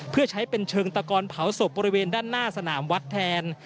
เพื่อใช้เป็นเชิงตะกอนเผาศพบริเวณด้านหน้าสนามวัดแทน